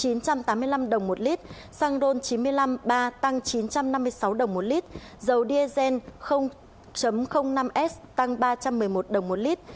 giá xăng e năm ron chín mươi hai tăng chín trăm tám mươi năm đồng một lít xăng ron chín mươi năm ba tăng chín trăm năm mươi sáu đồng một lít dầu diengen năm s tăng ba trăm một mươi một đồng một lít